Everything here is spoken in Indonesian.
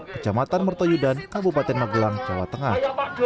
kecamatan mertoyudan kabupaten magelang jawa tengah